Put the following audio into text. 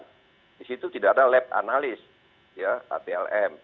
disitu tidak ada lab analis ya atlm